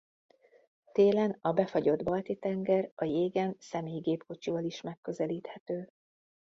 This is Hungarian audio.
Télen a befagyott Balti-tenger a jégen személygépkocsival is megközelíthető.